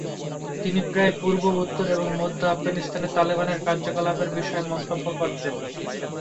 তিনি প্রায়ই পূর্ব, উত্তর এবং মধ্য আফগানিস্তানে তালেবানের কার্যকলাপের বিষয়ে মন্তব্য করতেন।